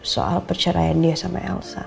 soal perceraian dia sama elsa